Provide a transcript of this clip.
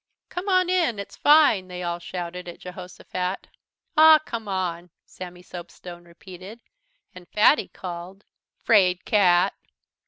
"Come on in, it's fine!" they all shouted at Jehosophat. "Aw, come on!" Sammy Soapstone repeated, and Fatty called: "'Fraidcat!"